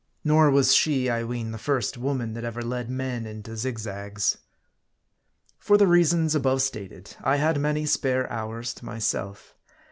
Nor was she, I ween, the first woman that ever led men into zigzags. For the reasons above stated, I had many spare hours to myself.